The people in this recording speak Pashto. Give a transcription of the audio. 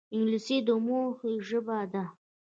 انګلیسي د موخې ژبه ده